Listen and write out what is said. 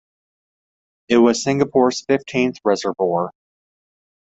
It was Singapore's fifteenth reservoir.